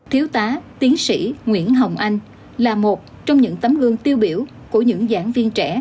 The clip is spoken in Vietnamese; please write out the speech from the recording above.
thiếu tá tiến sĩ nguyễn hồng anh là một trong những tấm gương tiêu biểu của những giảng viên trẻ